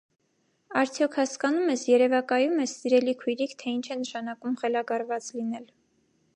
Արդյոք հասկանո՞ւմ ես, երևակայո՞ւմ ես, սիրելի քույրիկ, թե ինչ է նշանակում խելագարված լինել: